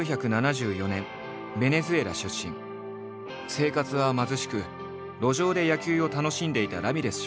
生活は貧しく路上で野球を楽しんでいたラミレス少年。